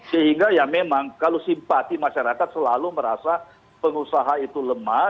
sehingga ya memang kalau simpati masyarakat selalu merasa pengusaha itu lemah